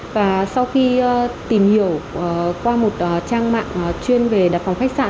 và sau khi tìm hiểu qua một trang mạng chuyên về đặt phòng khách sạn